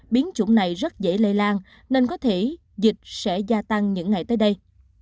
biến chủng này rất dễ lây lan nên có thể dịch sẽ gia tăng những ngày tới đây